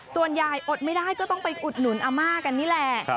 อดไม่ได้ก็ต้องไปอุดหนุนอาม่ากันนี่แหละ